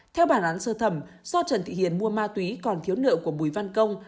theo bản án sơ thẩm do trần thị hiền mua ma túy còn thiếu nợ của bùi văn công